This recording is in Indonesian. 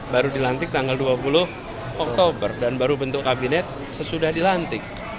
baru dilantik tanggal dua puluh oktober dan baru bentuk kabinet sesudah dilantik